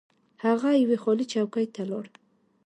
هغه یوې خالي چوکۍ ته لاړ.